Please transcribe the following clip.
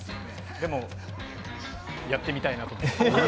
でも、やってみたいなと。